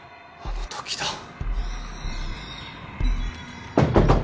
あの時だ。